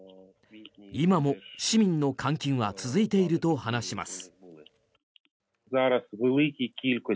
今も市民の監禁は続いていると話します。